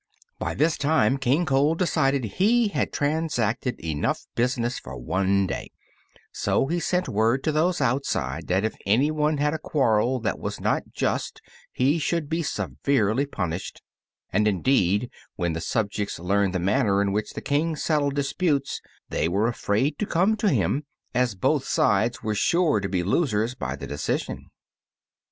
By this time King Cole decided he had transacted enough business for one day, so he sent word to those outside that if anyone had a quarrel that was not just he should be severely punished; and, indeed, when the subjects learned the manner in which the King settled disputes, they were afraid to come to him, as both sides were sure to be losers by the decision.